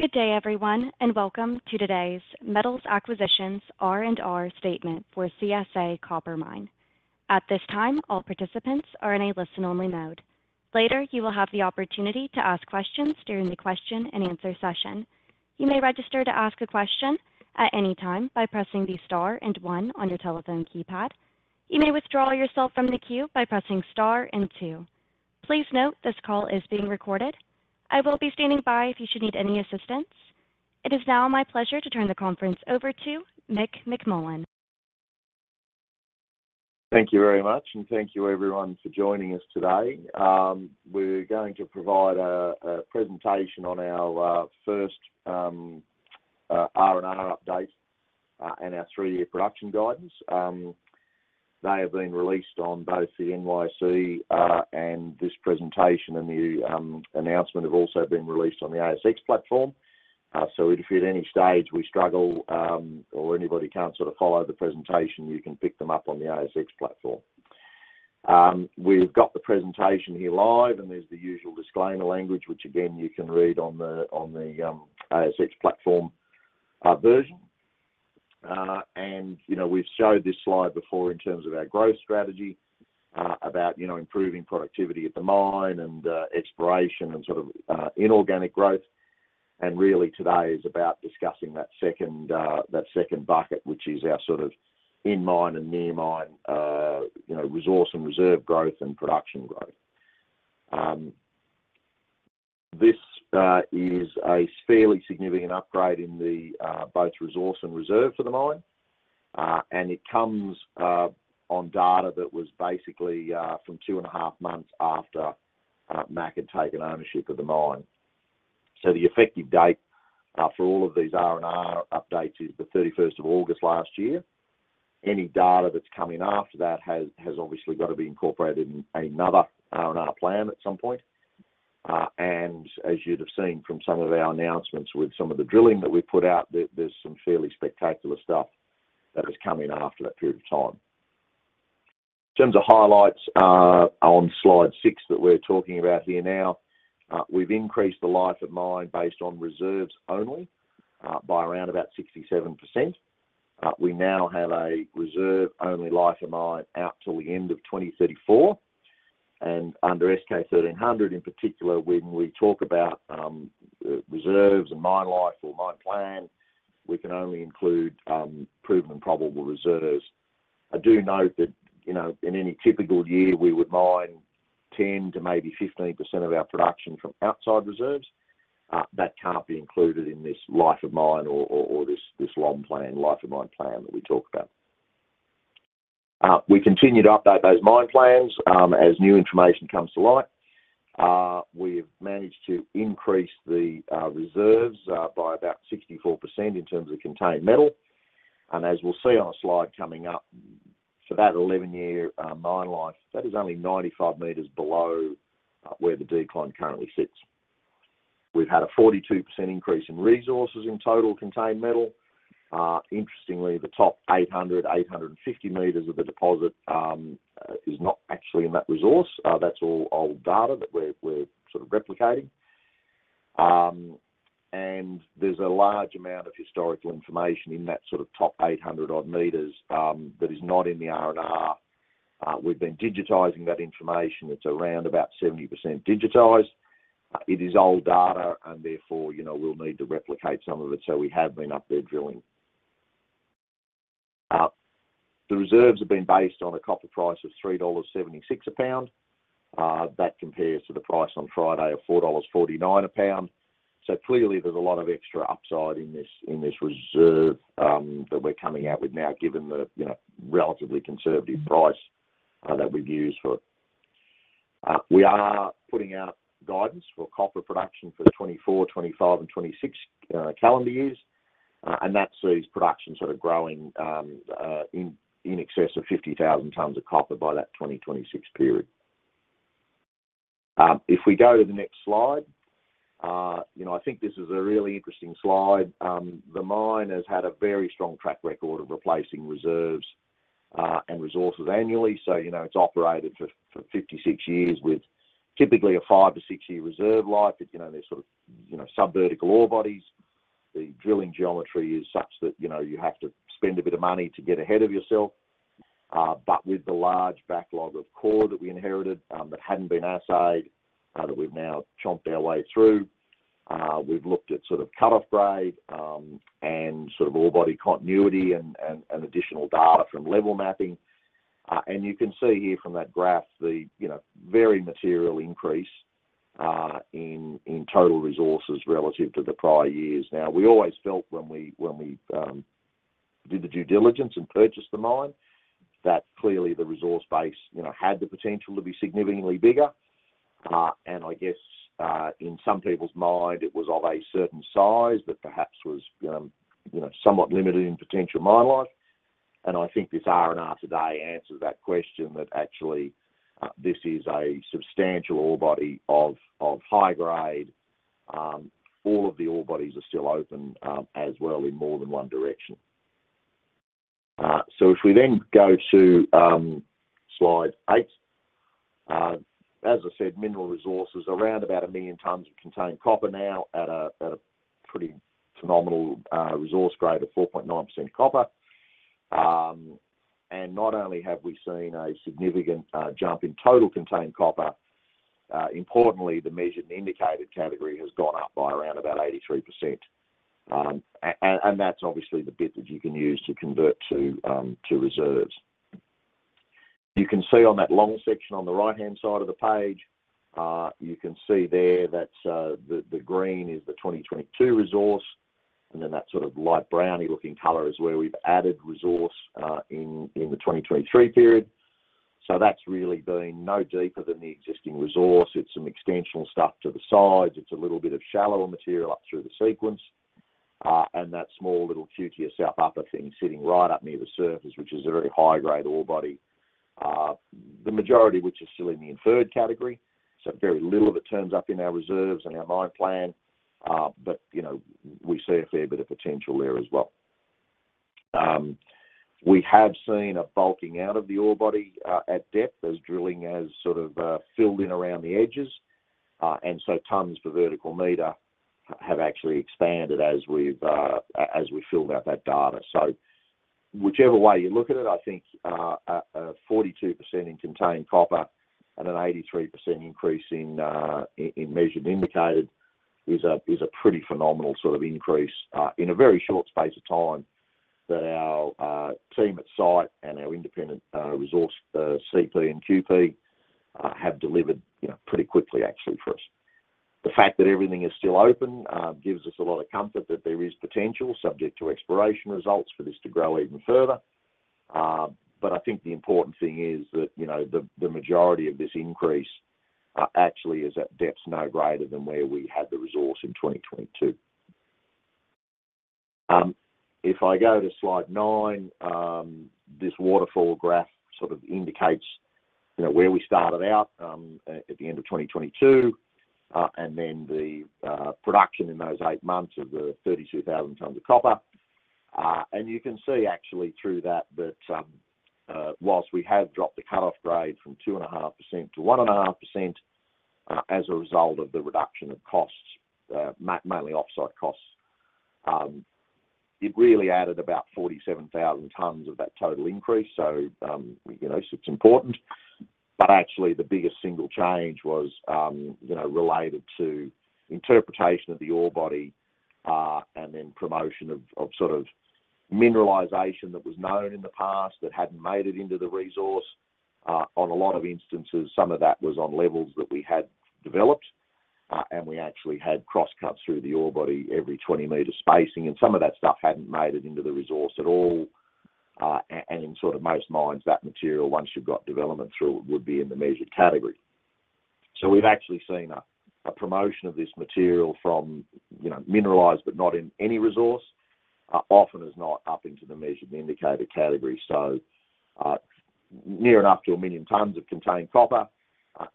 Good day, everyone, and welcome to today's Metals Acquisition R&R statement for CSA Copper Mine. At this time, all participants are in a listen-only mode. Later, you will have the opportunity to ask questions during the Q&A session. You may register to ask a question at any time by pressing the star and one on your telephone keypad. You may withdraw yourself from the queue by pressing star and two. Please note, this call is being recorded. I will be standing by if you should need any assistance. It is now my pleasure to turn the conference over to Mick McMullen. Thank you very much, and thank you everyone for joining us today. We're going to provide a presentation on our first R&R update and our three-year production guidance. They have been released on both the NYSE and this presentation, and the announcement have also been released on the ASX platform. So if at any stage we struggle or anybody can't sort of follow the presentation, you can pick them up on the ASX platform. We've got the presentation here live, and there's the usual disclaimer language, which again, you can read on the ASX platform version. And you know, we've showed this slide before in terms of our growth strategy about you know, improving productivity at the mine and exploration and sort of inorganic growth. And really, today is about discussing that second, that second bucket, which is our sort of in mine and near mine, you know, resource and reserve growth and production growth. This is a fairly significant upgrade in the both resource and reserve for the mine. And it comes on data that was basically from two and a half months after MAC had taken ownership of the mine. So the effective date for all of these R&R updates is the thirty-first of August last year. Any data that's coming after that has obviously got to be incorporated in another R&R plan at some point. And as you'd have seen from some of our announcements with some of the drilling that we've put out, there's some fairly spectacular stuff that has come in after that period of time. In terms of highlights, on slide 6 that we're talking about here now, we've increased the life of mine, based on reserves only, by around about 67%. We now have a reserve-only life of mine out till the end of 2034, and under SK1300 in particular, when we talk about, reserves and mine life or mine plan, we can only include, proven and probable reserves. I do note that, you know, in any typical year, we would mine 10% to maybe 15% of our production from outside reserves. That can't be included in this life of mine or this long plan, life of mine plan that we talked about. We continue to update those mine plans, as new information comes to light. We've managed to increase the reserves by about 64% in terms of contained metal. And as we'll see on a slide coming up, for that 11-year mine life, that is only 95 meters below where the decline currently sits. We've had a 42% increase in resources in total contained metal. Interestingly, the top 800, 850 meters of the deposit is not actually in that resource. That's all old data that we're sort of replicating. And there's a large amount of historical information in that sort of top 800 odd meters that is not in the R&R. We've been digitizing that information. It's around about 70% digitized. It is old data, and therefore, you know, we'll need to replicate some of it. So we have been up there drilling. The reserves have been based on a copper price of $3.76 a pound. That compares to the price on Friday of $4.49 a pound. So clearly, there's a lot of extra upside in this, in this reserve, that we're coming out with now, given the, you know, relatively conservative price, that we've used for it. We are putting out guidance for copper production for the 2024, 2025, and 2026 calendar years. That sees production sort of growing, in excess of 50,000 tons of copper by that 2026 period. If we go to the next slide, you know, I think this is a really interesting slide. The mine has had a very strong track record of replacing reserves, and resources annually. So, you know, it's operated for 56 years with typically a 5 to 6 year reserve life. It, you know, they're sort of, you know, sub-vertical ore bodies. The drilling geometry is such that, you know, you have to spend a bit of money to get ahead of yourself. But with the large backlog of core that we inherited, that hadn't been assayed, that we've now chomped our way through, we've looked at sort of cut-off grade, and sort of ore body continuity and additional data from level mapping. And you can see here from that graph, the, you know, very material increase in total resources relative to the prior years. Now, we always felt when we did the due diligence and purchased the mine, that clearly the resource base, you know, had the potential to be significantly bigger. I guess, in some people's mind, it was of a certain size, but perhaps was, you know, somewhat limited in potential mine life. I think this R&R today answers that question, that actually, this is a substantial ore body of high grade. All of the ore bodies are still open, as well in more than one direction. So if we then go to slide eight, as I said, mineral resources around about 1 million tons of contained copper now at a pretty phenomenal resource grade of 4.9% copper. And not only have we seen a significant jump in total contained copper, importantly, the measured and indicated category has gone up by around about 83%. And that's obviously the bit that you can use to convert to reserves. You can see on that long section on the right-hand side of the page, you can see there that the green is the 2022 resource, and then that sort of light brownie-looking color is where we've added resource in the 2023 period. So that's really been no deeper than the existing resource. It's some extensional stuff to the sides. It's a little bit of shallower material up through the sequence, and that small little QTS South Upper thing sitting right up near the surface, which is a very high-grade ore body. The majority of which is still in the inferred category, so very little of it turns up in our reserves and our mine plan. But, you know, we see a fair bit of potential there as well. We have seen a bulking out of the ore body at depth as drilling has sort of filled in around the edges. And so tons per vertical meter have actually expanded as we've as we filled out that data. So whichever way you look at it, I think a 42% in contained copper and an 83% increase in measured and indicated is a pretty phenomenal sort of increase in a very short space of time that our team at site and our independent resource CP and QP have delivered, you know, pretty quickly actually for us. The fact that everything is still open gives us a lot of comfort that there is potential, subject to exploration results, for this to grow even further. But I think the important thing is that, you know, the majority of this increase actually is at depths no greater than where we had the resource in 2022. If I go to slide nine, this waterfall graph sort of indicates, you know, where we started out, at the end of 2022, and then the production in those eight months of the 32,000 tons of copper. And you can see actually through that that whilst we have dropped the cut-off grade from 2.5% to 1.5%, as a result of the reduction of costs, mainly off-site costs, it really added about 47,000 tons of that total increase. So, you know, it's important, but actually the biggest single change was, you know, related to interpretation of the ore body, and then promotion of sort of mineralisation that was known in the past that hadn't made it into the resource. On a lot of instances, some of that was on levels that we had developed, and we actually had crosscuts through the ore body every 20 meter spacing, and some of that stuff hadn't made it into the resource at all. And in sort of most mines, that material, once you've got development through, would be in the Measured category. So we've actually seen a promotion of this material from, you know, mineralized, but not in any resource, often as not up into the Measured and Indicated category. So, near enough to 1 million tons of contained copper,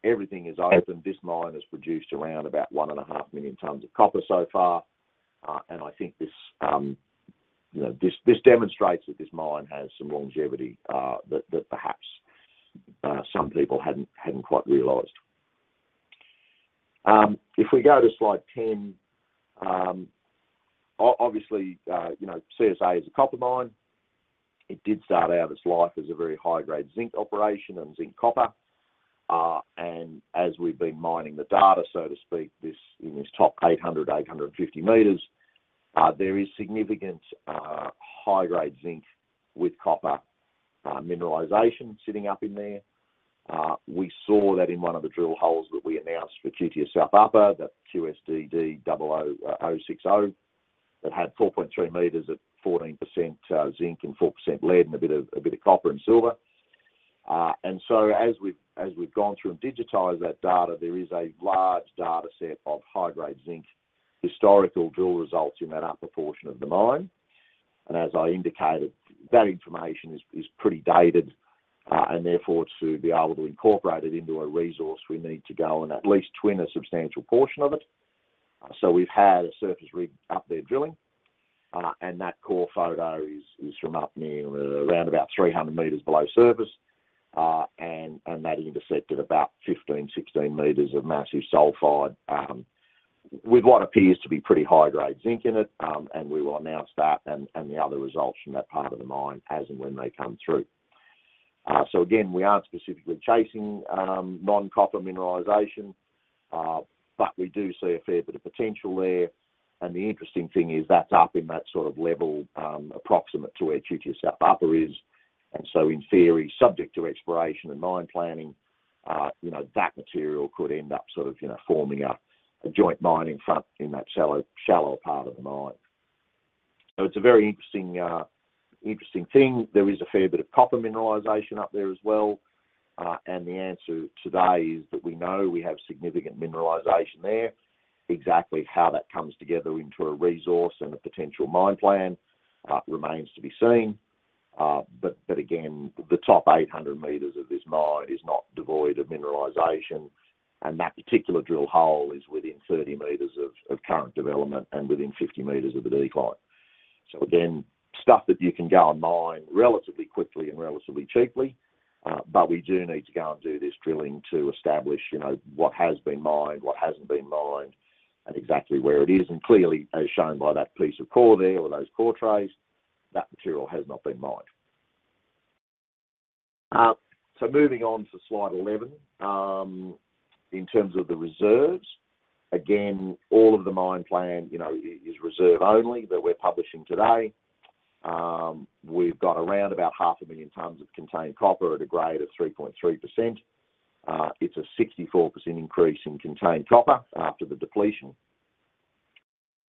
everything is open. This mine has produced around about 1.5 million tons of copper so far. And I think this, you know, this demonstrates that this mine has some longevity, that perhaps some people hadn't quite realized. If we go to slide 10, obviously, you know, CSA is a copper mine. It did start out its life as a very high-grade zinc operation and zinc copper. And as we've been mining the data, so to speak, this, in this top 800, 850 meters, there is significant high-grade zinc with copper mineralization sitting up in there. We saw that in one of the drill holes that we announced for QTS South Upper, the QSDD00060, that had 4.3 meters at 14% zinc and 4% lead, and a bit of copper and silver. And so as we've gone through and digitized that data, there is a large data set of high-grade zinc historical drill results in that upper portion of the mine. And as I indicated, that information is pretty dated, and therefore, to be able to incorporate it into a resource, we need to go and at least twin a substantial portion of it. So we've had a surface rig up there drilling, and that core photo is from up near around about 300 meters below surface. And that intercepted about 15 to 16 meters of massive sulfide with what appears to be pretty high-grade zinc in it. And we will announce that and the other results from that part of the mine as and when they come through. So again, we aren't specifically chasing non-copper mineralization, but we do see a fair bit of potential there. And the interesting thing is that's up in that sort of level, approximate to where QTS South Upper is. And so in theory, subject to exploration and mine planning, you know, that material could end up sort of, you know, forming a joint mine in front in that shallow, shallow part of the mine. So it's a very interesting, interesting thing. There is a fair bit of copper mineralization up there as well, and the answer today is that we know we have significant mineralization there. Exactly how that comes together into a resource and a potential mine plan remains to be seen. But again, the top 800 meters of this mine is not devoid of mineralization.... That particular drill hole is within 30 meters of current development and within 50 meters of the decline. So again, stuff that you can go and mine relatively quickly and relatively cheaply, but we do need to go and do this drilling to establish, you know, what has been mined, what hasn't been mined, and exactly where it is. And clearly, as shown by that piece of core there or those core trays, that material has not been mined. So moving on to slide 11. In terms of the reserves, again, all of the mine plan, you know, is reserve only, that we're publishing today. We've got around about 500,000 tons of contained copper at a grade of 3.3%. It's a 64% increase in contained copper after the depletion.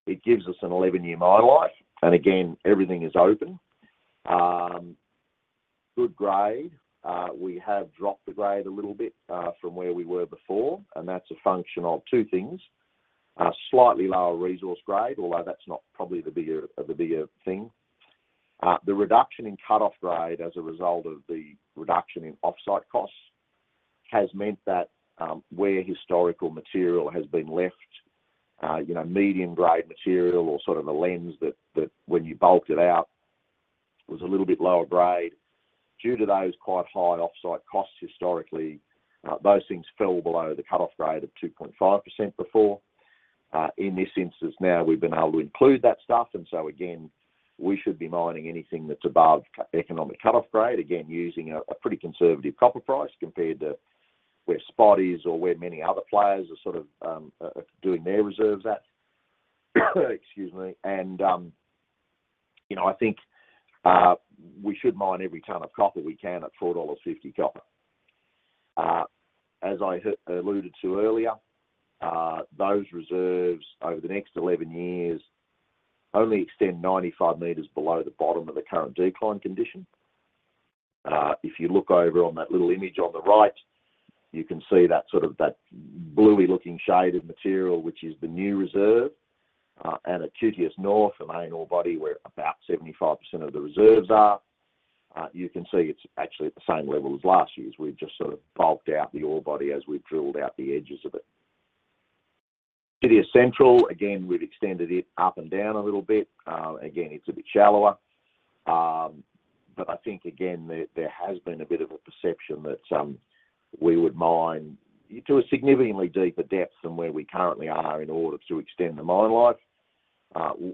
It gives us an 11 year mine life, and again, everything is open. Good grade. We have dropped the grade a little bit, from where we were before, and that's a function of two things: slightly lower resource grade, although that's not probably the bigger, the bigger thing. The reduction in cut-off grade as a result of the reduction in off-site costs, has meant that, where historical material has been left, you know, medium-grade material or sort of a lens that, that when you bulked it out, was a little bit lower grade. Due to those quite high off-site costs historically, those things fell below the cut-off grade of 2.5% before. In this instance, now we've been able to include that stuff, and so again, we should be mining anything that's above economic cut-off grade, again, using a pretty conservative copper price compared to where Sprott is or where many other players are sort of doing their reserves at. Excuse me. You know, I think we should mine every ton of copper we can at $4.50 copper. As I alluded to earlier, those reserves over the next 11 years only extend 95 meters below the bottom of the current decline condition. If you look over on that little image on the right, you can see that sort of, that bluey-looking shade of material, which is the new reserve, and at QTS North, the main ore body, where about 75% of the reserves are, you can see it's actually at the same level as last year's. We've just sort of bulked out the ore body as we've drilled out the edges of it. QTS Central, again, we've extended it up and down a little bit. Again, it's a bit shallower. But I think, again, there has been a bit of a perception that we would mine to a significantly deeper depth than where we currently are in order to extend the mine life.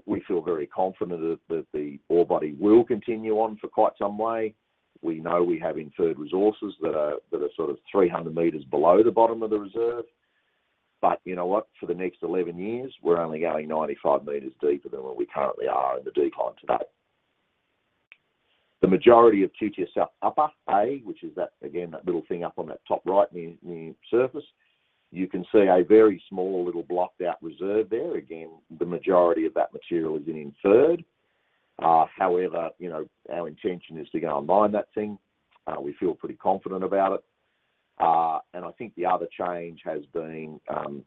We feel very confident that the ore body will continue on for quite some way. We know we have inferred resources that are sort of 300 meters below the bottom of the reserve. But you know what? For the next 11 years, we're only going 95 meters deeper than where we currently are in the decline today. The majority of QTSS Upper A, which is that, again, that little thing up on that top right near surface, you can see a very small little blocked-out reserve there. Again, the majority of that material is in inferred. However, you know, our intention is to go and mine that thing, we feel pretty confident about it. And I think the other change has been,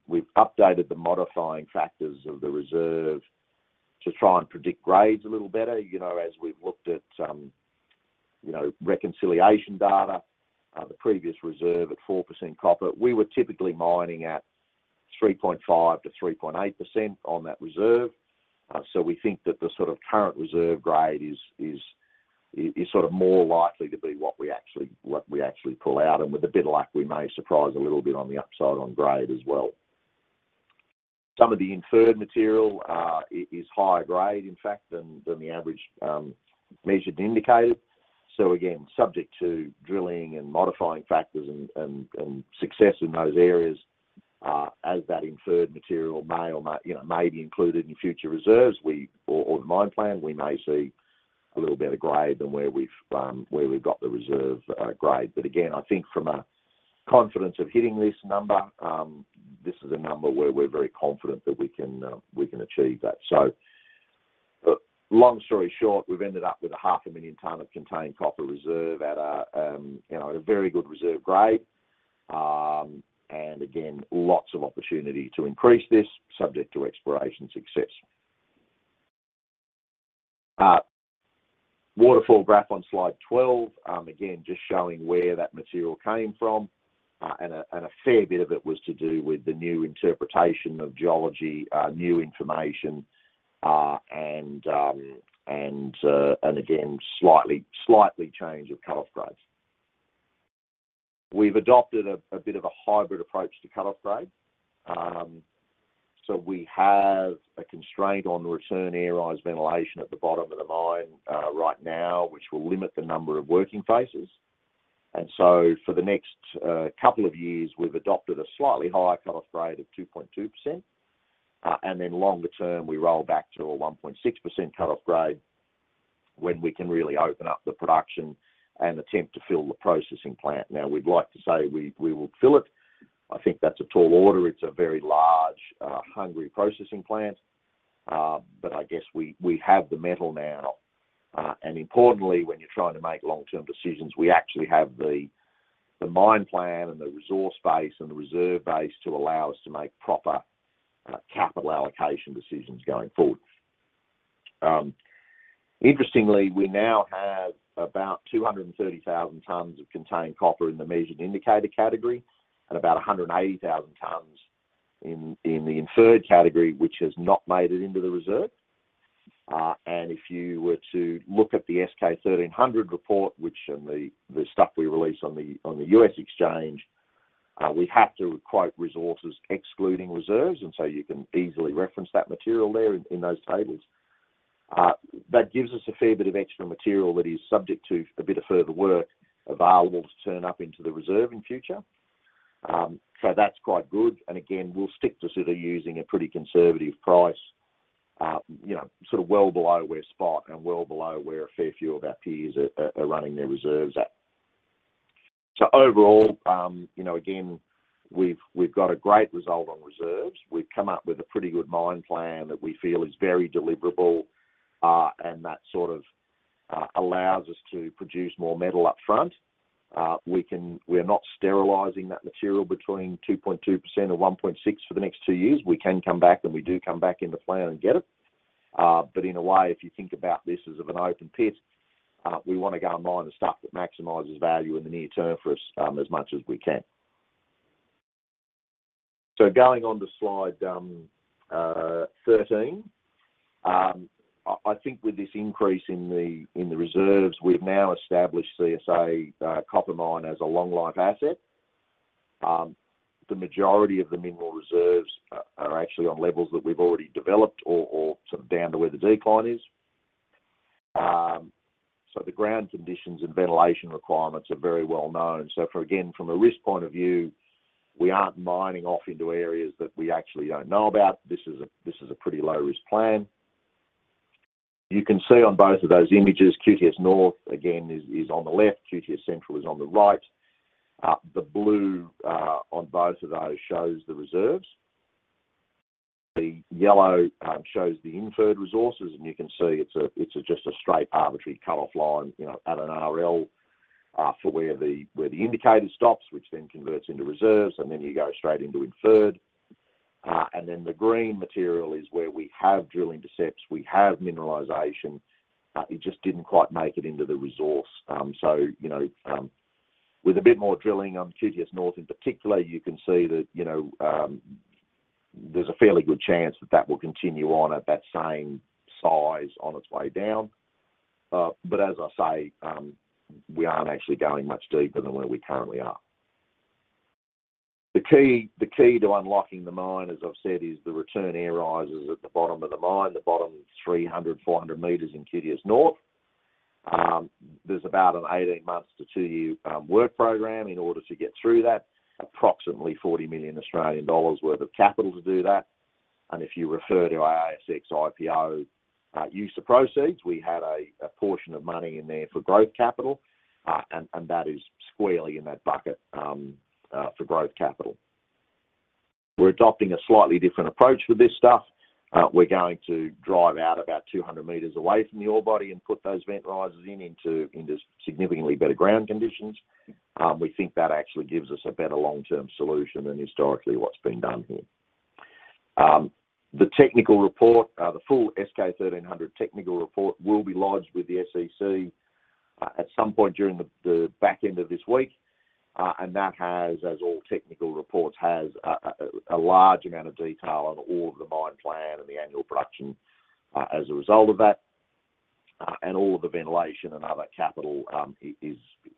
we've updated the modifying factors of the reserve to try and predict grades a little better. You know, as we've looked at, you know, reconciliation data, the previous reserve at 4% copper, we were typically mining at 3.5% to 3.8% on that reserve. So we think that the sort of current reserve grade is sort of more likely to be what we actually, what we actually pull out, and with a bit of luck, we may surprise a little bit on the upside on grade as well. Some of the inferred material is higher grade, in fact, than the average measured and indicated. So again, subject to drilling and modifying factors and success in those areas, as that inferred material may or may, you know, may be included in future reserves, we or the mine plan, we may see a little better grade than where we've got the reserve grade. But again, I think from a confidence of hitting this number, this is a number where we're very confident that we can we can achieve that. So, long story short, we've ended up with 500,000 tons of contained copper reserve at a, you know, a very good reserve grade. And again, lots of opportunity to increase this, subject to exploration success. Waterfall graph on slide 12, again, just showing where that material came from, and a fair bit of it was to do with the new interpretation of geology, new information, and again, slightly change of cut-off grades. We've adopted a bit of a hybrid approach to cut-off grade. So we have a constraint on the return air rises ventilation at the bottom of the mine, right now, which will limit the number of working faces. And so for the next couple of years, we've adopted a slightly higher cut-off grade of 2.2%. And then longer term, we roll back to a 1.6% cut-off grade, when we can really open up the production and attempt to fill the processing plant. Now, we'd like to say we, we will fill it. I think that's a tall order. It's a very large, hungry processing plant, but I guess we, we have the metal now. And importantly, when you're trying to make long-term decisions, we actually have the mine plan and the resource base and the reserve base to allow us to make proper capital allocation decisions going forward. Interestingly, we now have about 230,000 tons of contained copper in the measured and indicated category, and about 180,000 tons in the inferred category, which has not made it into the reserve. And if you were to look at the SK1300 report, and the stuff we released on the U.S. exchange, we have to quote resources excluding reserves, and so you can easily reference that material there in those tables. That gives us a fair bit of extra material that is subject to a bit of further work available to turn up into the reserve in future. So that's quite good, and again, we'll stick to sort of using a pretty conservative price, you know, sort of well below where spot and well below where a fair few of our peers are running their reserves at. So overall, you know, again, we've got a great result on reserves. We've come up with a pretty good mine plan that we feel is very deliverable, and that sort of allows us to produce more metal up front. We can. We are not sterilizing that material between 2.2% or 1.6% for the next two years. We can come back, and we do come back in the plan and get it. But in a way, if you think about this as of an open pit, we wanna go and mine the stuff that maximizes value in the near term for us, as much as we can. So going on to slide 13, I think with this increase in the reserves, we've now established CSA Copper Mine as a long-life asset. The majority of the mineral reserves are actually on levels that we've already developed or sort of down to where the decline is. So the ground conditions and ventilation requirements are very well known. So for, again, from a risk point of view, we aren't mining off into areas that we actually don't know about. This is a pretty low-risk plan. You can see on both of those images, QTS North, again, is on the left, QTS Central is on the right. The blue on both of those shows the reserves. The yellow shows the inferred resources, and you can see it's just a straight arbitrary cut-off line, you know, at an RL for where the indicator stops, which then converts into reserves, and then you go straight into inferred. And then the green material is where we have drilling intercepts, we have mineralization, it just didn't quite make it into the resource. So, you know, with a bit more drilling on QTS North in particular, you can see that, you know, there's a fairly good chance that, that will continue on at that same size on its way down. But as I say, we aren't actually going much deeper than where we currently are. The key, the key to unlocking the mine, as I've said, is the return air rises at the bottom of the mine, the bottom 300, 400 meters in QTS North. There's about an 18-month to two-year work program in order to get through that. Approximately 40 million Australian dollars worth of capital to do that, and if you refer to our ASX IPO, use of proceeds, we had a portion of money in there for growth capital, and that is squarely in that bucket, for growth capital. We're adopting a slightly different approach with this stuff. We're going to drive out about 200 meters away from the ore body and put those vent risers in, into significantly better ground conditions. We think that actually gives us a better long-term solution than historically what's been done here. The technical report, the full SK1300 technical report will be lodged with the SEC, at some point during the, the back end of this week. And that has, as all technical reports, has a large amount of detail on all of the mine plan and the annual production, as a result of that, and all of the ventilation and other capital,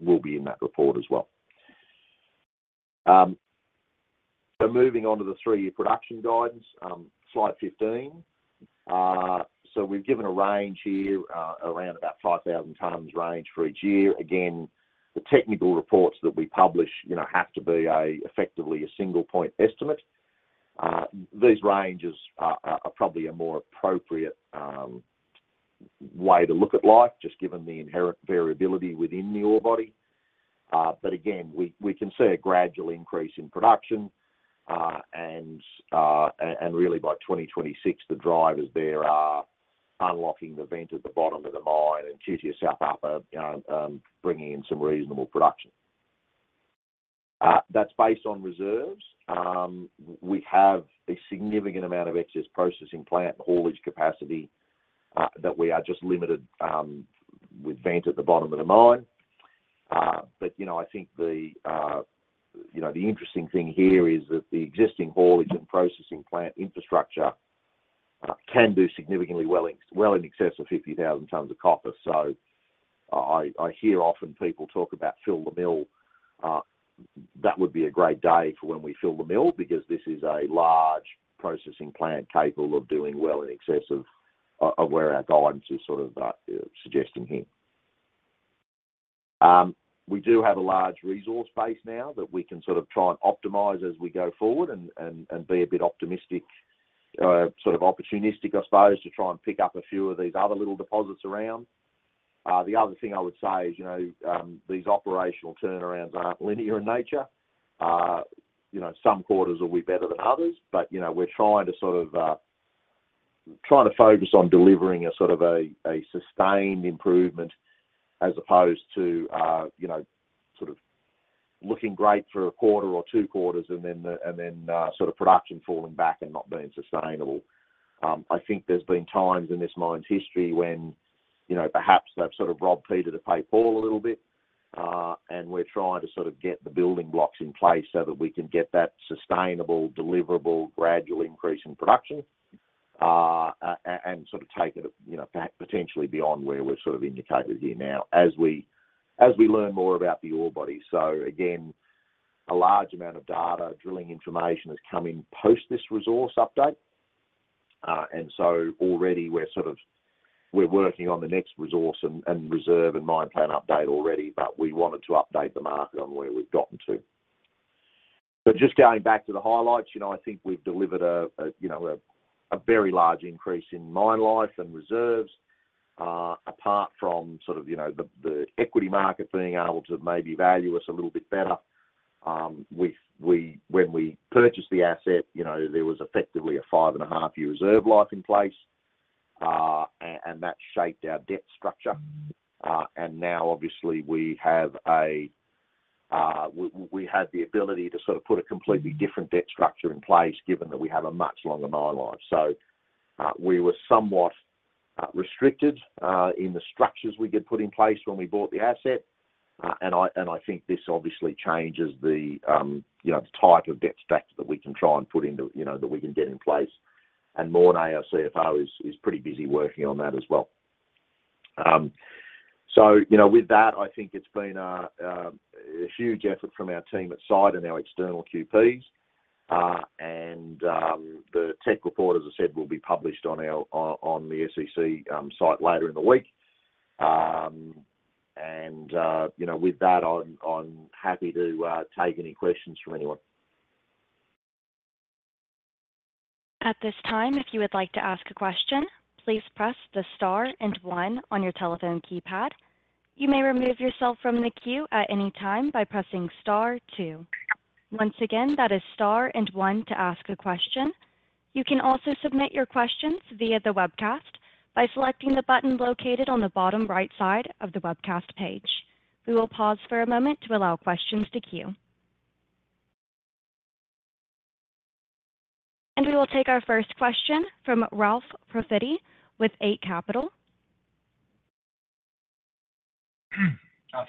will be in that report as well. So moving on to the three-year production guidance, slide 15. So we've given a range here, around about 5,000 tons range for each year. Again, the technical reports that we publish, you know, have to be effectively a single point estimate. These ranges are probably a more appropriate way to look at life, just given the inherent variability within the ore body. But again, we can see a gradual increase in production, and really by 2026, the drivers there are unlocking the vent at the bottom of the mine and QTS South Upper, you know, bringing in some reasonable production. That's based on reserves. We have a significant amount of excess processing plant, haulage capacity, that we are just limited with the vent at the bottom of the mine. But, you know, I think the interesting thing here is that the existing haulage and processing plant infrastructure can do significantly well in excess of 50,000 tons of copper. So I hear often people talk about fill the mill. That would be a great day for when we fill the mill, because this is a large processing plant capable of doing well in excess of, of where our guidance is sort of, suggesting here. We do have a large resource base now that we can sort of try and optimize as we go forward and be a bit optimistic, sort of opportunistic, I suppose, to try and pick up a few of these other little deposits around. The other thing I would say is, you know, these operational turnarounds aren't linear in nature. You know, some quarters will be better than others, but, you know, we're trying to focus on delivering a sort of a sustained improvement, as opposed to, you know, sort of looking great for a quarter or two quarters, and then sort of production falling back and not being sustainable. I think there's been times in this mine's history when, you know, perhaps they've sort of robbed Peter to pay Paul a little bit. And we're trying to sort of get the building blocks in place so that we can get that sustainable, deliverable, gradual increase in production and sort of take it, you know, back potentially beyond where we're sort of indicated here now, as we learn more about the ore body. So again, a large amount of data, drilling information is coming post this resource update. And so already we're sort of working on the next resource and reserve and mine plan update already, but we wanted to update the market on where we've gotten to. But just going back to the highlights, you know, I think we've delivered a very large increase in mine life and reserves. Apart from sort of, you know, the equity market being able to maybe value us a little bit better. We when we purchased the asset, you know, there was effectively a 5.5-year reserve life in place, and that shaped our debt structure. And now, obviously, we have the ability to sort of put a completely different debt structure in place, given that we have a much longer mine life. So, we were somewhat restricted in the structures we could put in place when we bought the asset. And I think this obviously changes the, you know, the type of debt stack that we can try and put into, you know, that we can get in place. And Morné, our CFO, is pretty busy working on that as well. So, you know, with that, I think it's been a huge effort from our team at site and our external QPs. And the tech report, as I said, will be published on our, on the SEC site later in the week. And, you know, with that, I'm happy to take any questions from anyone. At this time, if you would like to ask a question, please press the star and one on your telephone keypad. You may remove yourself from the queue at any time by pressing star two. Once again, that is star and one to ask a question. You can also submit your questions via the webcast by selecting the button located on the bottom right side of the webcast page. We will pause for a moment to allow questions to queue. We will take our first question from Ralph Profiti with Eight Capital.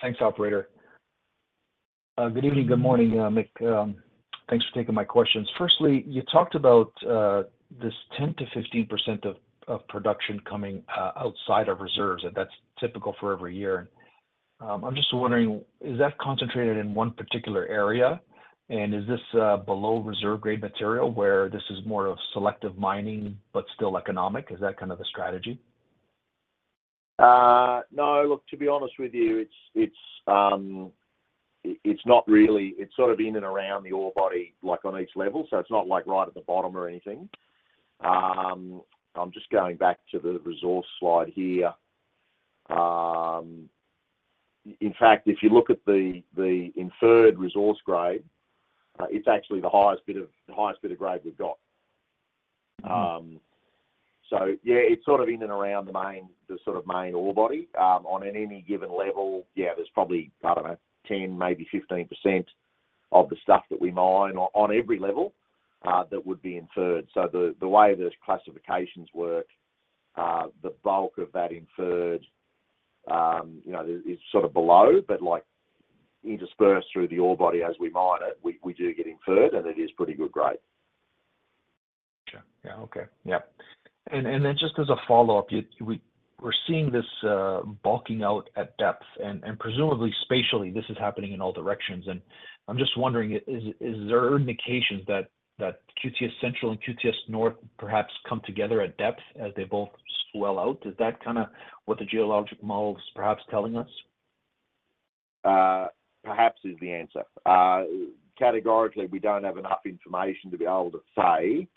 Thanks, operator. Good evening, good morning, Mick. Thanks for taking my questions. Firstly, you talked about this 10% to 15% of production coming outside of reserves, and that's typical for every year. I'm just wondering, is that concentrated in one particular area? And is this below reserve grade material, where this is more of selective mining, but still economic? Is that kind of the strategy? No. Look, to be honest with you, it's not really. It's sort of in and around the ore body, like, on each level, so it's not like right at the bottom or anything. I'm just going back to the resource slide here. In fact, if you look at the inferred resource grade, it's actually the highest bit of grade we've got. Mm-hmm. So yeah, it's sort of in and around the main, the sort of main ore body. On any given level, yeah, there's probably, I don't know, 10, maybe 15% of the stuff that we mine on every level, that would be inferred. So the way those classifications work, the bulk of that inferred, you know, is sort of below, but like interspersed through the ore body as we mine it, we do get inferred, and it is pretty good grade. Sure. Yeah, okay. Yeah. And then just as a follow-up, we're seeing this bulking out at depth, and presumably spatially, this is happening in all directions. And I'm just wondering, is there indications that QTS Central and QTS North perhaps come together at depth as they both swell out? Is that kind of what the geologic model is perhaps telling us? Perhaps is the answer. Categorically, we don't have enough information to be able to say,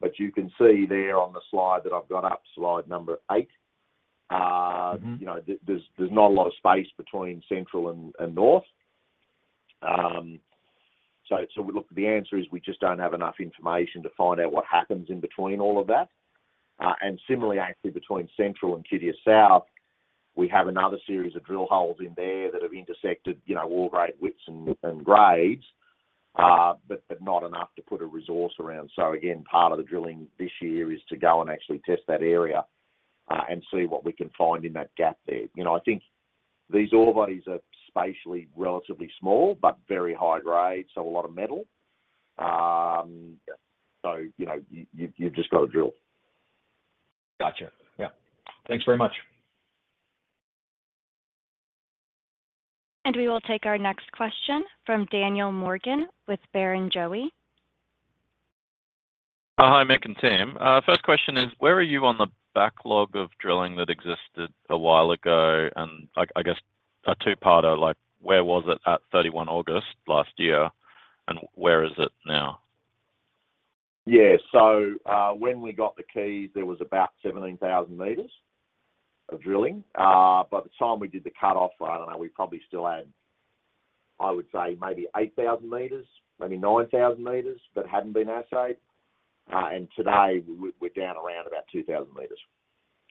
but you can see there on the slide that I've got up, slide number eight. Mm-hmm You know, there's not a lot of space between Central and North. So look, the answer is we just don't have enough information to find out what happens in between all of that. And similarly, actually, between Central and QTS South, we have another series of drill holes in there that have intersected, you know, ore grade widths and grades, but not enough to put a resource around. So again, part of the drilling this year is to go and actually test that area, and see what we can find in that gap there. You know, I think these ore bodies are spatially relatively small, but very high grade, so a lot of metal. So, you know, you, you've just got to drill. Gotcha. Yeah. Thanks very much. We will take our next question from Daniel Morgan with Barrenjoey. Hi, Mick and team. First question is, where are you on the backlog of drilling that existed a while ago? And I guess, a two-parter, like, where was it at 31 August last year, and where is it now? Yeah. So, when we got the keys, there was about 17,000 meters of drilling. By the time we did the cutoff, I don't know, we probably still had, I would say, maybe 8,000 meters, maybe 9,000 meters, that hadn't been assayed. And today we're down around about 2,000 meters.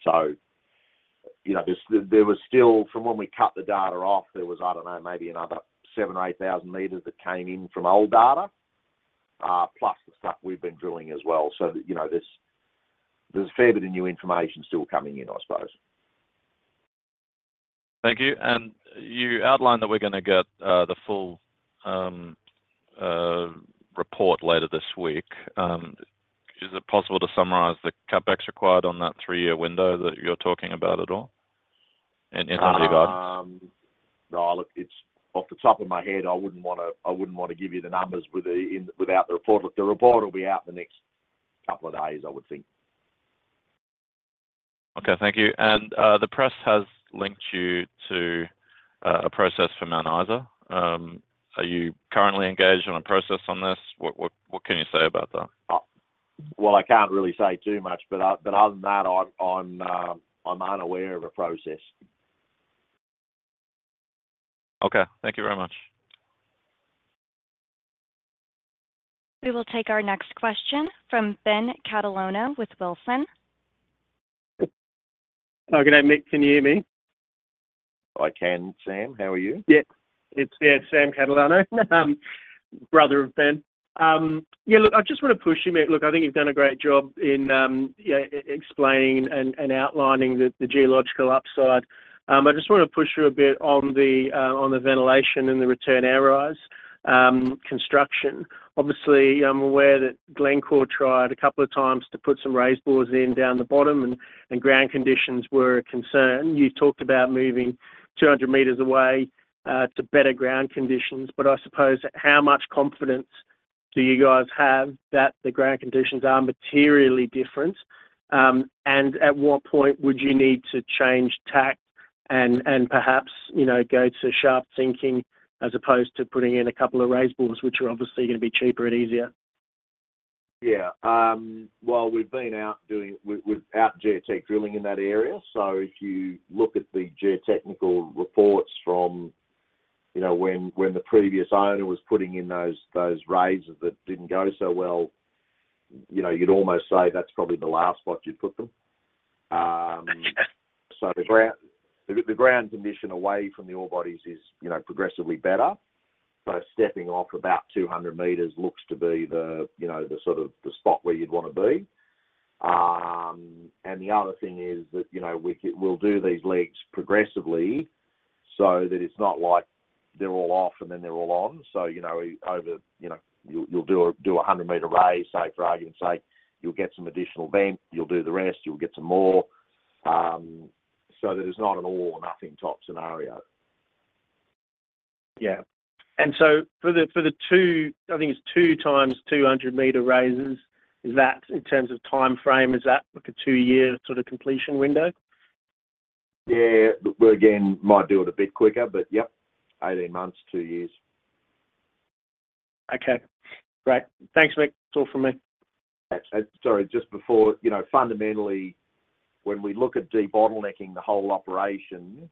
So, you know, there was still, from when we cut the data off, there was, I don't know, maybe another 7,000 or 8,000 meters that came in from old data, plus the stuff we've been drilling as well. So, you know, there's a fair bit of new information still coming in, I suppose. Thank you. You outlined that we're gonna get the full report later this week. Is it possible to summarize the CapEx required on that three-year window that you're talking about at all? And in your guidance. No. Look, it's off the top of my head, I wouldn't wanna, I wouldn't want to give you the numbers with the, in, without the report. Look, the report will be out in the next couple of days, I would think. Okay. Thank you. The press has linked you to a process for Mount Isa. Are you currently engaged in a process on this? What, what, what can you say about that? Well, I can't really say too much, but other than that, I'm unaware of a process. Okay. Thank you very much. We will take our next question from Ben Catalano with Wilson. Oh, good day, Mick. Can you hear me? I can, Sam. How are you? Yeah. It's, yeah, it's Sam Catalano, brother of Ben. Yeah, look, I just wanna push you, Mick. Look, I think you've done a great job in, yeah, explaining and outlining the geological upside. I just wanna push you a bit on the ventilation and the return air rise construction. Obviously, I'm aware that Glencore tried a couple of times to put some raise bores in down the bottom, and ground conditions were a concern. You talked about moving 200 meters away to better ground conditions, but I suppose, how much confidence do you guys have that the ground conditions are materially different? And at what point would you need to change tack and perhaps, you know, go to sharp sinking as opposed to putting in a couple of raise bores, which are obviously gonna be cheaper and easier? Yeah. Well, we've been out doing, we're out geotech drilling in that area. So if you look at the geotechnical reports from, you know, when the previous owner was putting in those raises that didn't go so well, you know, you'd almost say that's probably the last spot you'd put them. Yes. So the ground condition away from the ore bodies is, you know, progressively better, but stepping off about 200 meters looks to be the, you know, the sort of the spot where you'd wanna be. And the other thing is that, you know, we'll do these legs progressively so that it's not like they're all off and then they're all on. So, you know, over, you know, you'll do a 100 meter raise, say, for argument's sake, you'll get some additional vent, you'll do the rest, you'll get some more. So that it's not an all or nothing type scenario. Yeah. And so for the, for the two, I think it's two times 200 meter raises, is that in terms of time frame, is that like a two year sort of completion window? Yeah. But we, again, might do it a bit quicker, but yeah, 18 months, two years. Okay. Great. Thanks, Mick. That's all from me. Sorry, just before you know, fundamentally, when we look at debottlenecking the whole operation,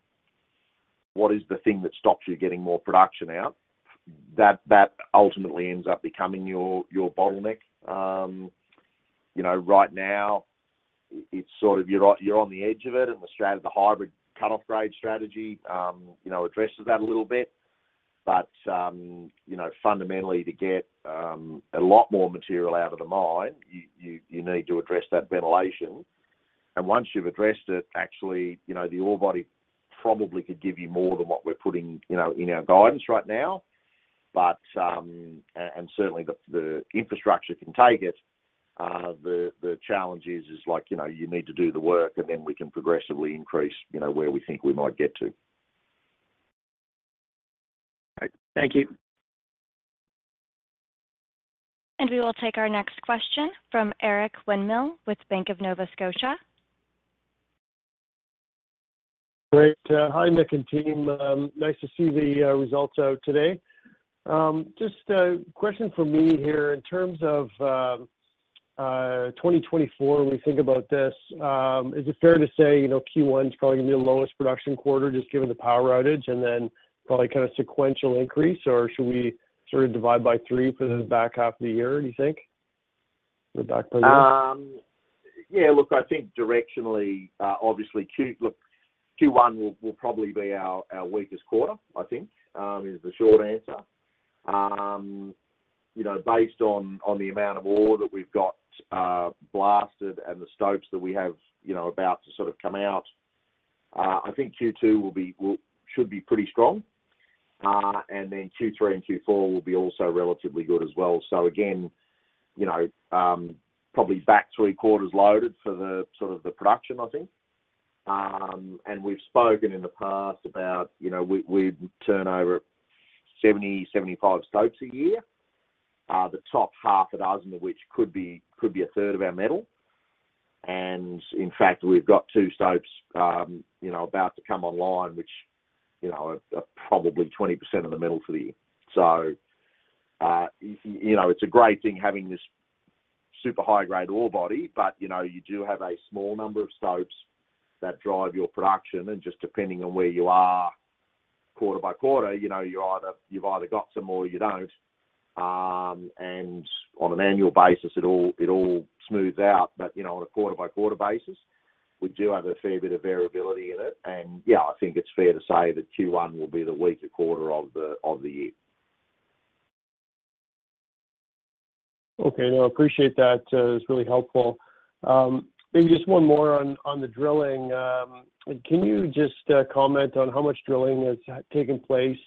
what is the thing that stops you getting more production out? That ultimately ends up becoming your bottleneck. You know, right now, it's sort of you're on the edge of it, and the hybrid cut-off grade strategy, you know, addresses that a little bit. But, you know, fundamentally, to get a lot more material out of the mine, you need to address that ventilation. And once you've addressed it, actually, you know, the ore body probably could give you more than what we're putting, you know, in our guidance right now. But, and certainly, the infrastructure can take it. The challenge is like, you know, you need to do the work, and then we can progressively increase, you know, where we think we might get to. Right. Thank you. We will take our next question from Eric Winmill with Bank of Nova Scotia. Great. Hi, Mick and team. Nice to see the results out today. Just a question for me here. In terms of 2024, when we think about this, is it fair to say, you know, Q1 is probably gonna be the lowest production quarter, just given the power outage, and then probably kind of sequential increase, or should we sort of divide by three for the back half of the year, do you think, with that play here? Yeah, look, I think directionally, obviously, Q1 will probably be our weakest quarter. I think is the short answer. You know, based on the amount of ore that we've got blasted and the stopes that we have, you know, about to sort of come out, I think Q2 will be should be pretty strong. And then Q3 and Q4 will be also relatively good as well. So again, you know, probably back three quarters loaded for the sort of the production, I think. And we've spoken in the past about, you know, we turn over 70 to 75 stopes a year. The top 6 of which could be a third of our metal. And in fact, we've got two stopes, you know, about to come online, which, you know, are probably 20% of the metal for the year. So, you know, it's a great thing having this super high-grade ore body, but, you know, you do have a small number of stopes that drive your production. And just depending on where you are quarter by quarter, you know, you either, you've either got some or you don't. And on an annual basis, it all, it all smooths out. But, you know, on a quarter by quarter basis, we do have a fair bit of variability in it, and yeah, I think it's fair to say that Q1 will be the weaker quarter of the year. Okay. No, I appreciate that. It's really helpful. Maybe just one more on the drilling. Can you just comment on how much drilling has taken place,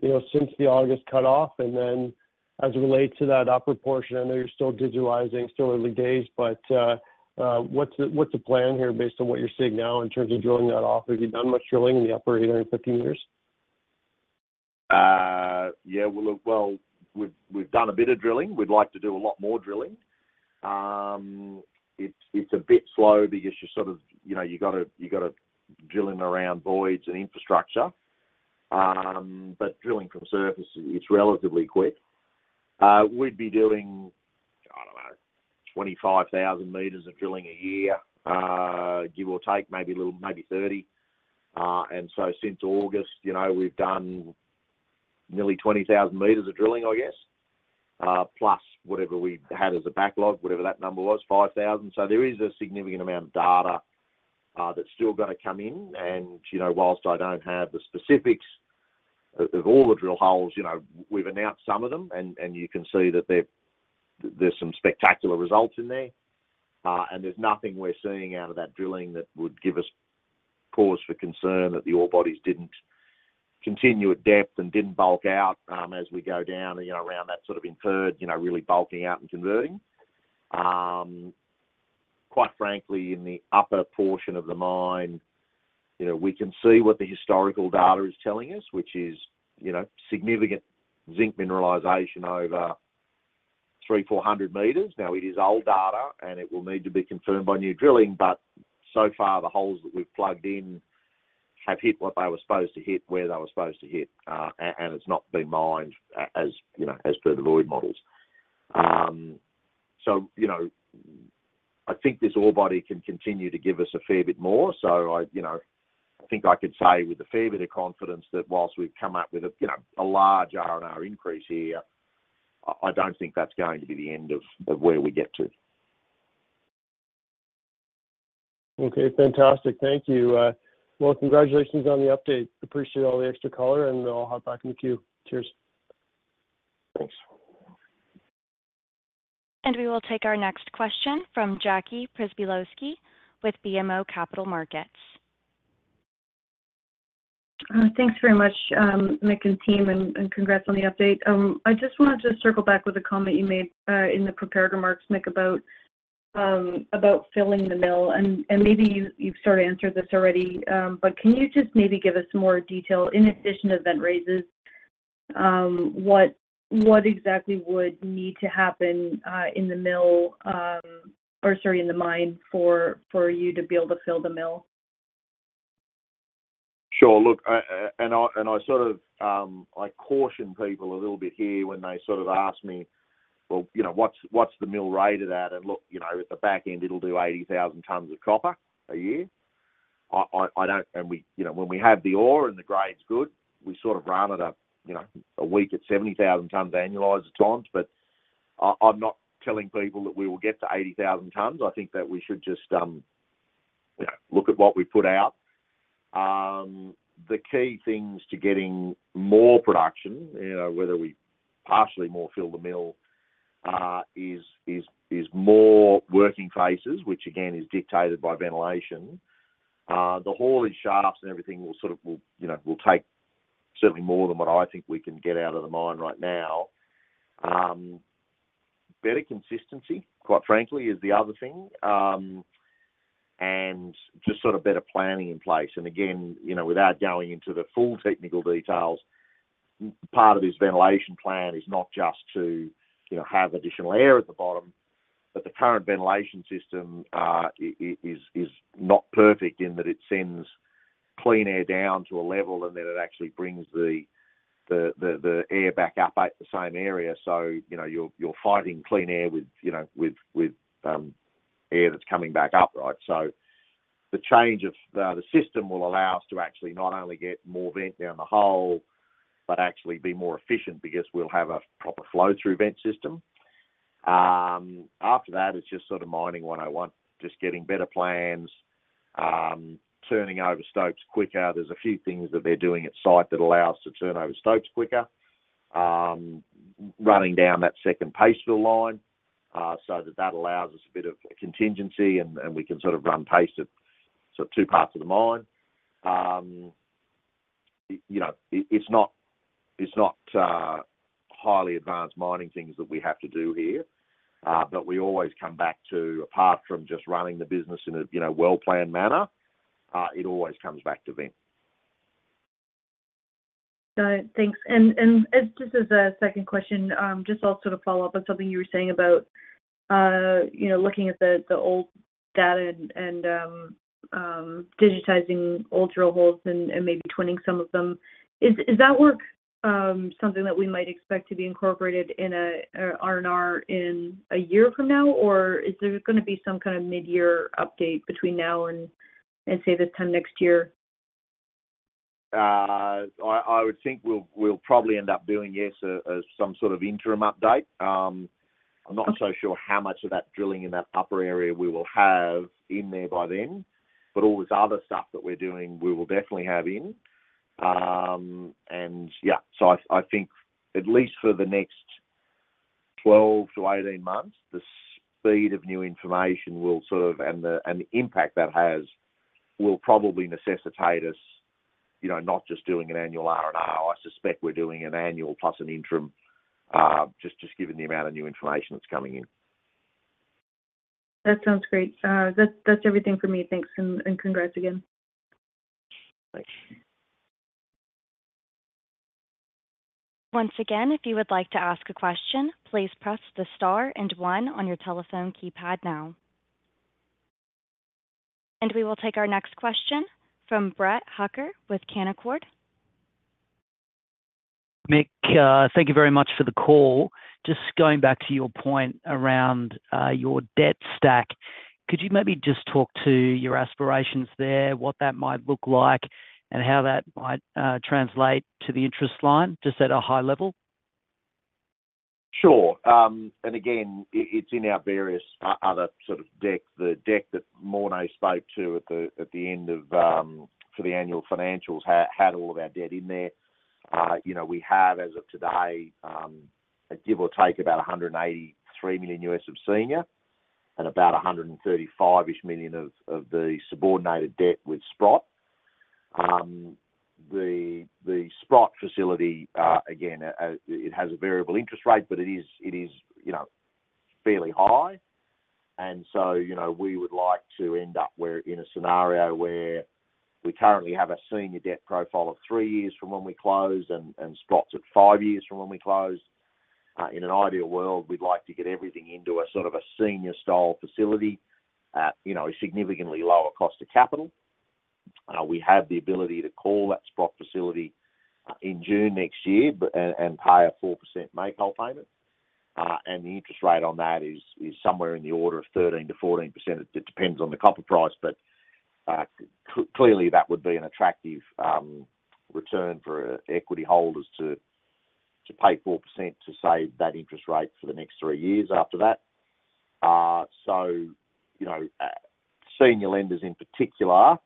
you know, since the August cut-off? And then as it relates to that upper portion, I know you're still digitizing, still early days, but what's the plan here based on what you're seeing now in terms of drilling that off? Have you done much drilling in the upper area in 15 years? Yeah, well, look, well, we've done a bit of drilling. We'd like to do a lot more drilling. It's a bit slow because you're sort of, you know, you got to drill in around voids and infrastructure. But drilling from surface, it's relatively quick. We'd be doing, I don't know, 25,000 meters of drilling a year, give or take, maybe a little, maybe 30,000. And so since August, you know, we've done nearly 20,000 meters of drilling, I guess. Plus whatever we had as a backlog, whatever that number was, 5,000. So there is a significant amount of data that's still going to come in. You know, while I don't have the specifics of all the drill holes, you know, we've announced some of them, and you can see that there's some spectacular results in there. There's nothing we're seeing out of that drilling that would give us cause for concern that the ore bodies didn't continue at depth and didn't bulk out as we go down, you know, around that sort of inferred, you know, really bulking out and converting. Quite frankly, in the upper portion of the mine, you know, we can see what the historical data is telling us, which is, you know, significant zinc mineralization over 300 to 400 meters. Now, it is old data, and it will need to be confirmed by new drilling, but so far, the holes that we've plugged in have hit what they were supposed to hit, where they were supposed to hit. And it's not been mined as, you know, as per the void models. So, you know, I think this ore body can continue to give us a fair bit more. So I, you know, I think I could say with a fair bit of confidence that whilst we've come up with a, you know, a large R&R increase here, I, I don't think that's going to be the end of, of where we get to. Okay, fantastic. Thank you. Well, congratulations on the update. Appreciate all the extra color, and I'll hop back in the queue. Cheers. Thanks. We will take our next question from Jackie Przybylowski with BMO Capital Markets. Thanks very much, Mick and team, and congrats on the update. I just wanted to circle back with a comment you made in the prepared remarks, Mick, about filling the mill. And maybe you've sort of answered this already, but can you just maybe give us more detail, in addition to vent raises, what exactly would need to happen in the mill, or sorry, in the mine, for you to be able to fill the mill? Sure. Look, I sort of caution people a little bit here when they sort of ask me: Well, you know, what's the mill rated at? And look, you know, at the back end, it'll do 80,000 tons of copper a year. And we, you know, when we have the ore and the grade's good, we sort of round it up, you know, a week at 70,000 tons annualized at times. But I'm not telling people that we will get to 80,000 tons. I think that we should just, you know, look at what we put out. The key things to getting more production, you know, whether we partially more fill the mill, is more working faces, which again, is dictated by ventilation. The hauling shafts and everything will sort of, you know, will take certainly more than what I think we can get out of the mine right now. Better consistency, quite frankly, is the other thing. And just sort of better planning in place. And again, you know, without going into the full technical details, part of this ventilation plan is not just to, you know, have additional air at the bottom, but the current ventilation system is not perfect in that it sends clean air down to a level, and then it actually brings the air back up at the same area. So, you know, you're fighting clean air with, you know, with air that's coming back up, right? So the change of the system will allow us to actually not only get more vent down the hole, but actually be more efficient because we'll have a proper flow-through vent system. After that, it's just sort of mining 101, just getting better plans, turning over stopes quicker. There's a few things that they're doing at site that allow us to turn over stopes quicker. Running down that second paste fill line, so that that allows us a bit of contingency, and we can sort of run paste at sort of two parts of the mine. You know, it's not highly advanced mining things that we have to do here, but we always come back to, apart from just running the business in a well-planned manner, it always comes back to vent. Thanks. And just as a second question, just also to follow up on something you were saying about, you know, looking at the old data and digitizing old drill holes and maybe twinning some of them. Is that something that we might expect to be incorporated in a R&R in a year from now? Or is there gonna be some kind of mid-year update between now and say, this time next year? I would think we'll probably end up doing some sort of interim update. I'm not so sure how much of that drilling in that upper area we will have in there by then, but all this other stuff that we're doing, we will definitely have in. And yeah, so I think at least for the next 12-18 months, the speed of new information will sort of, and the impact that has will probably necessitate us, you know, not just doing an annual R&R. I suspect we're doing an annual plus an interim, just given the amount of new information that's coming in. That sounds great. That's everything from me. Thanks and congrats again. Thanks. Once again, if you would like to ask a question, please press the star and one on your telephone keypad now. We will take our next question from Brett Hucker with Canaccord. Mick, thank you very much for the call. Just going back to your point around your debt stack, could you maybe just talk to your aspirations there, what that might look like, and how that might translate to the interest line, just at a high level? Sure. And again, it, it's in our various other sort of deck. The deck that Morné spoke to at the, at the end of, for the annual financials had, had all of our debt in there. You know, we have, as of today, give or take about $183 million of senior and about $135-ish million of the subordinated debt with Sprott. The, the Sprott facility, again, it has a variable interest rate, but it is, it is, you know, fairly high. And so, you know, we would like to end up where, in a scenario where we currently have a senior debt profile of three years from when we close and, and Sprott's at five years from when we close. In an ideal world, we'd like to get everything into a sort of a senior-style facility at, you know, a significantly lower cost of capital. We have the ability to call that Sprott facility in June next year and pay a 4% make-whole payment. And the interest rate on that is somewhere in the order of 13% to 14%. It depends on the copper price, but clearly, that would be an attractive return for equity holders to pay 4% to save that interest rate for the next three years after that. So, you know, senior lenders, in particular,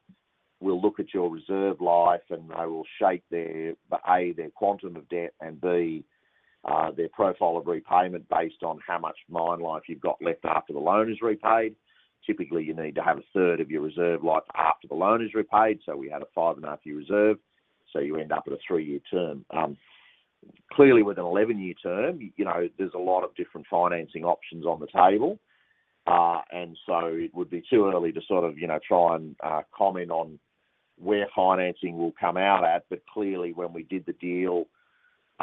will look at your reserve life, and they will shape their, A, their quantum of debt, and B, their profile of repayment based on how much mine life you've got left after the loan is repaid. Typically, you need to have a third of your reserve life after the loan is repaid. So we had a 5.5 year reserve, so you end up with a three year term. Clearly, with an 11 year term, you know, there's a lot of different financing options on the table. And so it would be too early to sort of, you know, try and comment on where financing will come out at. But clearly, when we did the deal,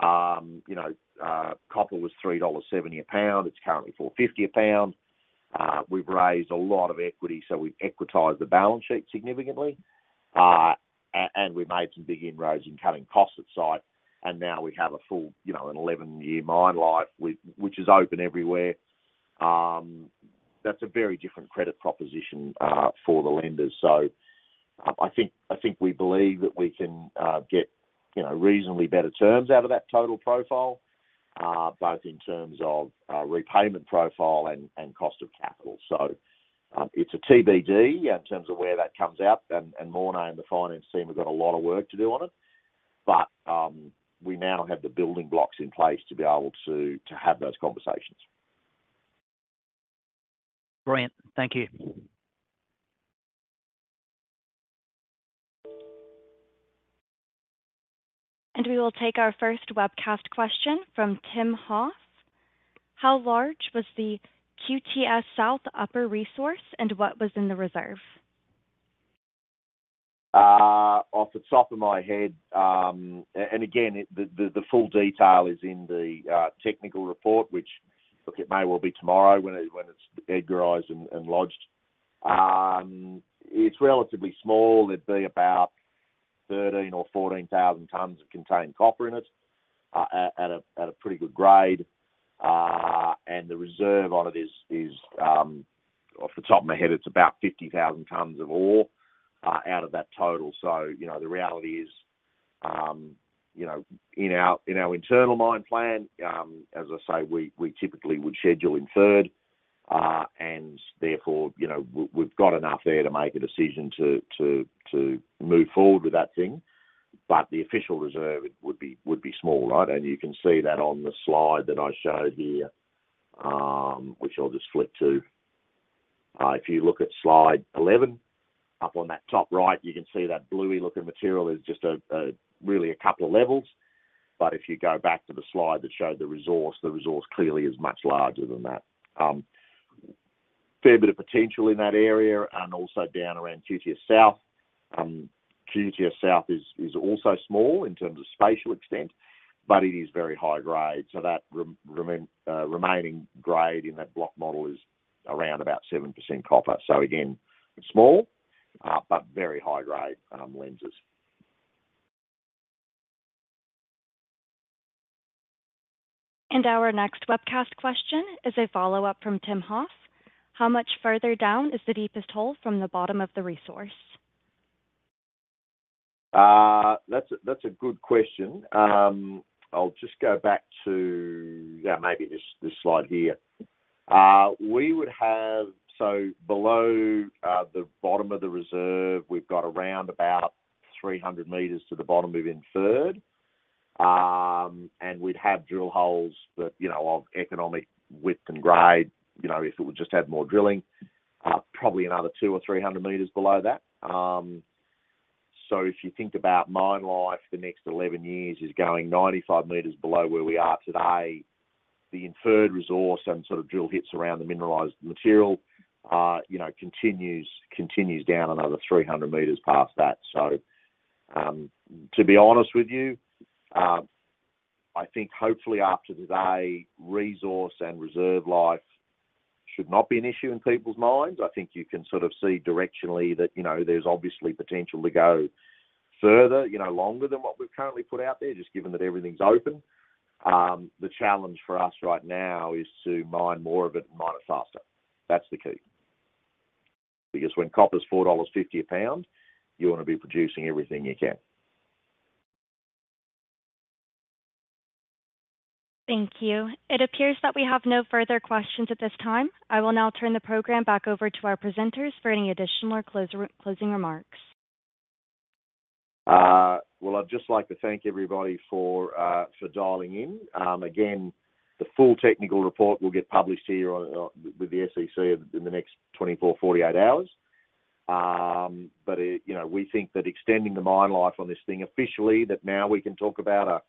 you know, copper was $3.70 a pound. It's currently $4.50 a pound. We've raised a lot of equity, so we've equitized the balance sheet significantly. And we made some big inroads in cutting costs at site, and now we have a full, you know, an 11-year mine life with which is open everywhere. That's a very different credit proposition for the lenders. So I think we believe that we can get, you know, reasonably better terms out of that total profile, both in terms of repayment profile and cost of capital. So it's a TBD in terms of where that comes out, and Morné and the finance team have got a lot of work to do on it, but we now have the building blocks in place to be able to have those conversations. Great. Thank you. We will take our first webcast question from Tim Hoff. "How large was the QTS South Upper resource, and what was in the reserve? Off the top of my head, and again, it, the full detail is in the technical report, which, look, it may well be tomorrow when it's EDGARized and lodged. It's relatively small. It'd be about 13,000 or 14,000 tons of contained copper in it, at a pretty good grade. And the reserve on it is, off the top of my head, it's about 50,000 tons of ore, out of that total. So, you know, the reality is, you know, in our internal mine plan, as I say, we typically would schedule in third, and therefore, you know, we've got enough there to make a decision to move forward with that thing. But the official reserve would be small, right? You can see that on the slide that I showed here, which I'll just flip to. If you look at slide 11, up on that top right, you can see that bluey-looking material is just really a couple of levels. But if you go back to the slide that showed the resource, the resource clearly is much larger than that. Fair bit of potential in that area and also down around QTS South. QTS South is also small in terms of spatial extent, but it is very high grade, so that remaining grade in that block model is around about 7% copper. So again, it's small, but very high grade lenses. Our next webcast question is a follow-up from Tim Hoff. How much further down is the deepest hole from the bottom of the resource? That's a good question. I'll just go back to this slide here. So below the bottom of the reserve, we've got around 300 meters to the bottom we've inferred. And we'd have drill holes that, you know, of economic width and grade, you know, if it would just have more drilling, probably another 200 or 300 meters below that. So if you think about mine life, the next 11 years is going 95 meters below where we are today. The inferred resource and sort of drill hits around the mineralized material, you know, continues down another 300 meters past that. So to be honest with you, I think hopefully after today, resource and reserve life should not be an issue in people's minds. I think you can sort of see directionally that, you know, there's obviously potential to go further, you know, longer than what we've currently put out there, just given that everything's open. The challenge for us right now is to mine more of it and mine it faster. That's the key. Because when copper is $4.50 a pound, you want to be producing everything you can. Thank you. It appears that we have no further questions at this time. I will now turn the program back over to our presenters for any additional or closing remarks. Well, I'd just like to thank everybody for dialing in. Again, the full technical report will get published here on with the SEC in the next 24 to 48 hours. But, you know, we think that extending the mine life on this thing officially, that now we can talk about a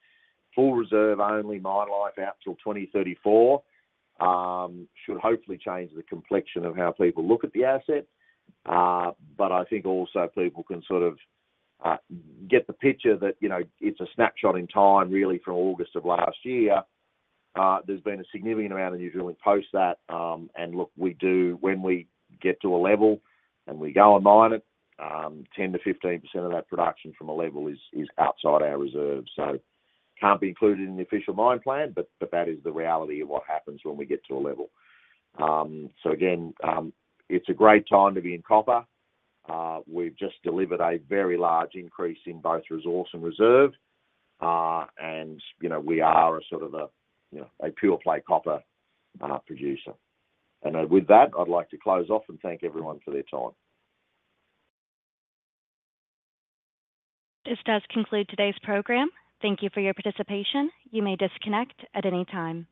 full reserve, only mine life out till 2034, should hopefully change the complexion of how people look at the asset. But I think also people can sort of get the picture that, you know, it's a snapshot in time, really, from August of last year. There's been a significant amount of new drilling post that, and look, we do when we get to a level and we go and mine it, 10% to 15% of that production from a level is outside our reserve. So can't be included in the official mine plan, but that is the reality of what happens when we get to a level. So again, it's a great time to be in copper. We've just delivered a very large increase in both resource and reserve. And, you know, we are a sort of a, you know, a pure play copper producer. With that, I'd like to close off and thank everyone for their time. This does conclude today's program. Thank you for your participation. You may disconnect at any time.